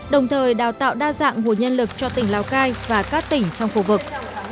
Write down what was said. đồng thời đào tạo đa dạng nguồn nhân lực cho tỉnh lào cai và các tỉnh trong khu vực